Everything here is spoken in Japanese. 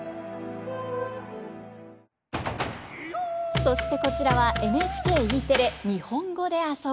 そしてこちらはＮＨＫＥテレ「にほんごであそぼ」。